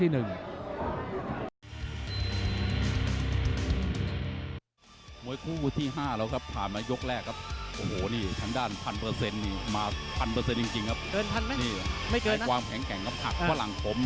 หูหูหัวตามทุกชายเดินลงทุ่ม